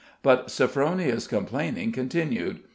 But Sophronia's complaining continued.